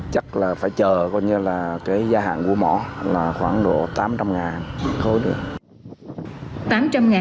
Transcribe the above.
chắc là phải chờ coi như là cái gia hạn của mỏ là khoảng độ tám trăm linh ngàn mét khối nữa